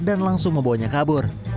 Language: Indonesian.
dan langsung membawanya kabur